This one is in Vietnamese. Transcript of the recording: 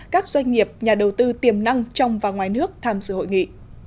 các doanh nghiệp nhà đầu tư tiềm năng trong và ngoài nước tham dự hội nghị